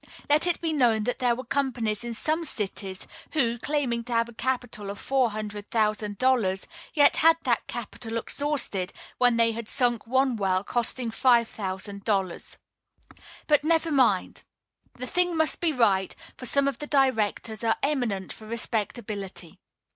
Let it be known that there were companies in some cities who, claiming to have a capital of four hundred thousand dollars, yet had that capital exhausted when they had sunk one well costing five thousand dollars. But never mind. The thing must be right, for some of the directors are eminent for respectability.